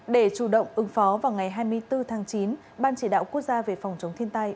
để chủ động ứng phó vào ngày hai mươi bốn tháng chín ban chỉ đạo quốc gia về phòng chống thiên tai